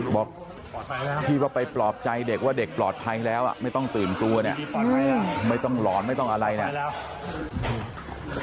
บอกที่ว่าไปปลอบใจเด็กว่าเด็กปลอดภัยแล้วไม่ต้องตื่นกลัวเนี่ยไม่ต้องหลอนไม่ต้องอะไรเนี่ย